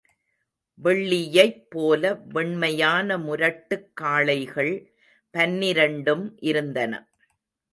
வெள்ளியைப் போல வெண்மையான முரட்டுக் காளைகள் பன்னிரண்டும் இருந்தன.